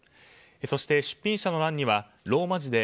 そして出品者の欄にはローマ字で